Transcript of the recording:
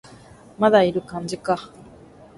まだいる感じか